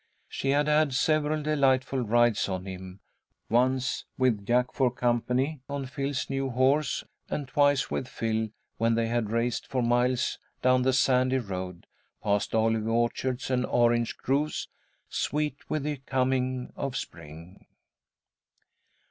She had had several delightful rides on him; once with Jack for company, on Phil's new horse, and twice with Phil, when they had raced for miles down the sandy road, past olive orchards and orange groves, sweet with the coming of spring.